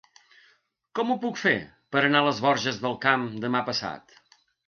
Com ho puc fer per anar a les Borges del Camp demà passat?